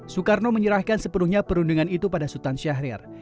soekarno menyerahkan sepenuhnya perundungan itu pada sultan syahrir